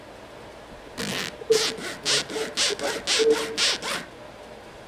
Materials were found.